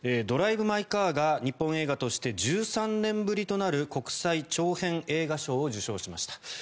「ドライブ・マイ・カー」が日本映画として１３年ぶりとなる国際長編映画賞を受賞しました。